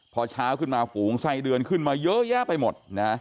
พอเช้าขึ้นมาฝูงไส้เดือนขึ้นมาเยอะแยะไปหมดนะ